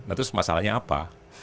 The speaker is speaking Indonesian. nah terus masalahnya apa